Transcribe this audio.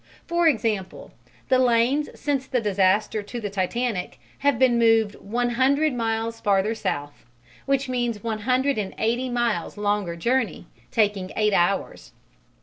For example, the lanes since the disaster to the Titanic have been moved one hundred miles farther south, which means one hundred and eighty miles longer journey, taking eight hours.